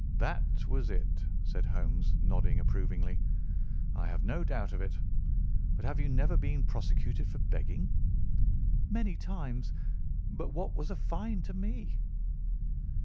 "That was it," said Holmes, nodding approvingly; "I have no doubt of it. But have you never been prosecuted for begging?" "Many times; but what was a fine to me?"